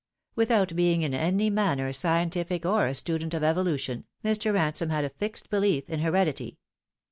Without being in any manner scientific or a student of evolution, Mr. Ransome had a fixed belief in heredity.